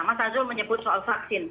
mas azul menyebut soal vaksin